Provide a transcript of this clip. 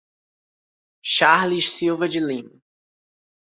Charles Silva de Lima